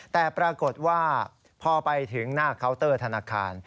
แต่ปรากฏว่าพอไปถึงหน้าเคาน์เตอร์ธนาคาร